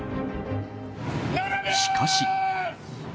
しかし。